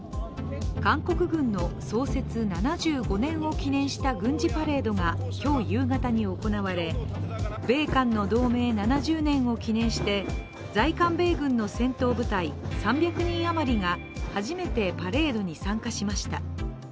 韓国軍の創設７５年を記念した軍事パレードが今日夕方に行われ米韓の同盟７０年を記念して在韓米軍の戦闘部隊３００人余りが初めてパレードに参加しました。